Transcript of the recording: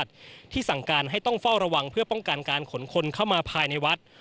ที่สั่งการให้ต้องเฝ้าระวังเพื่อป้องกันการขนคนเข้ามาภายในวัด